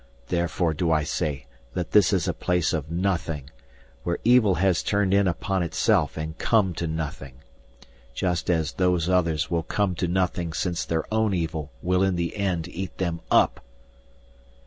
Therefore do I say that this is a place of nothing, where evil has turned in upon itself and come to nothing. Just as Those Others will come to nothing since their own evil will in the end eat them up!"